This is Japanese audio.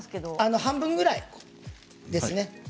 半分ぐらいですね。